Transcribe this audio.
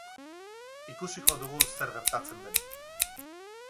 Ikusiko dugu zer gertatzen den.